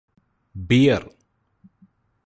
beer